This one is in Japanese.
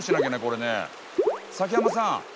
崎山さん。